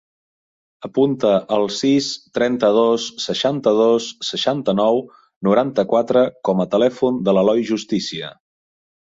Apunta el sis, trenta-dos, seixanta-dos, seixanta-nou, noranta-quatre com a telèfon de l'Eloi Justicia.